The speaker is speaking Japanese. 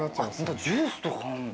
ジュースとかあるんだ。